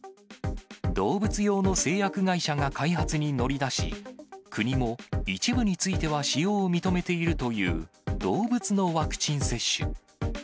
動物用の製薬会社が開発に乗り出し、国も一部については使用を認めているという動物のワクチン接種。